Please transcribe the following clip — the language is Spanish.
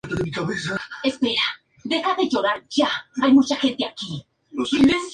La sede del condado es Red Cloud.